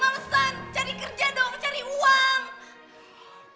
males malesan cari kerja dong cari uang